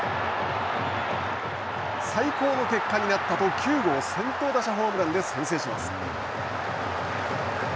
最高の結果になったと９号先頭打者ホームランで先制します。